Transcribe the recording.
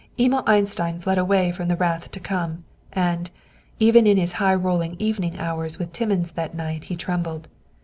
Emil Einstein fled away from the wrath to come, and, even in his high rolling evening hours with Timmins that night he trembled.